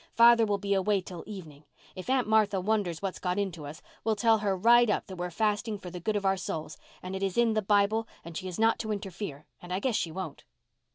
Father will be away till evening. If Aunt Martha wonders what's got into us, we'll tell her right up that we're fasting for the good of our souls, and it is in the Bible and she is not to interfere, and I guess she won't."